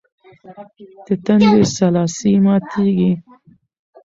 د تندي سلاسې ماتېږي.